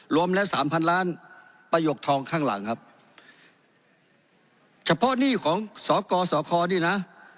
รวมแล้วสามพันล้านประโยคทองข้างหลังครับเฉพาะหนี้ของสกสคนี่นะ